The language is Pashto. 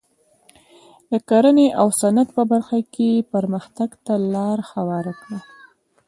د کرنې او صنعت په برخه کې یې پرمختګ ته لار هواره کړه.